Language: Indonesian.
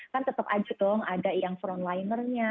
kan tetap aja dong ada yang frontlinernya